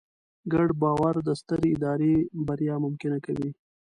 ګډ باور د سترې ادارې بریا ممکنه کوي.